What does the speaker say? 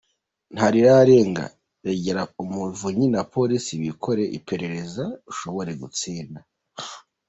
Nta rirarenga regera umuvunyi na Police bikore iperereza ushobora gutsinda.